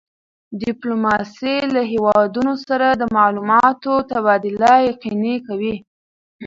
ډیپلوماسي له هېوادونو سره د معلوماتو تبادله یقیني کوي.